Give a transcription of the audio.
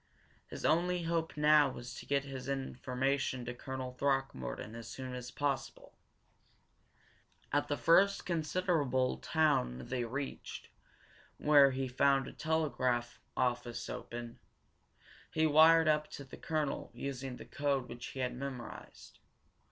His only hope now was to get his information to Colonel Throckmorton as soon as possible. At the first considerable town they reached, where he found a telegraph office open, he wired to the colonel, using the code which he had memorized.